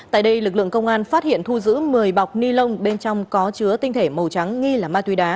tại đây lực lượng công an phát hiện thu giữ một mươi bọc ni lông bên trong có chứa tinh thể màu trắng nghi là ma túy đá